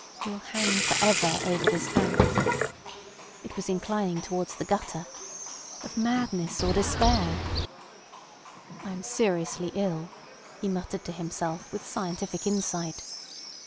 "... Will hang for ever over this act. ... It was inclining towards the gutter ... of madness or despair." "I am seriously ill," he muttered to himself with scientific insight.